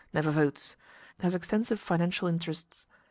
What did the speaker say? Never votes. Has extensive financial interests.